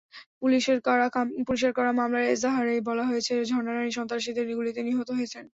পুলিশের করা মামলার এজাহারে বলা হয়েছে, ঝর্ণা রানী সন্ত্রাসীদের গুলিতে নিহত হয়েছেন।